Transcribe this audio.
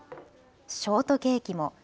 ショートケーキも。